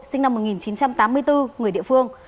sinh năm một nghìn chín trăm tám mươi bốn người địa phương